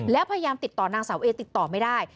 และพยายามติดต่อนางสาวเอติดต่อไม่ได้